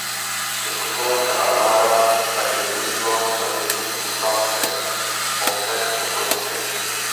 Československá armáda také využívala střelnici v jugoslávské Boce Kotorské.